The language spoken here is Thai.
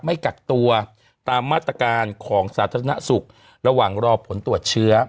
ไม่กักตัวตามมาตรการของสาธารณสุขระหว่างรอผลตรวจเชื้อ